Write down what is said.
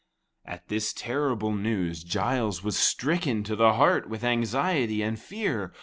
At this terrible news, Giles was stricken to the heart with anxiety and fear.